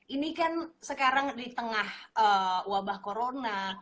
ini kan sekarang di tengah wabah corona